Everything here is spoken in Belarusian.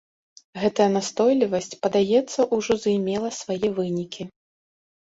Гэтая настойлівасць, падаецца, ужо займела свае вынікі.